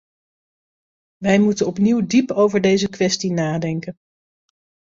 Wij moeten opnieuw diep over deze kwestie nadenken.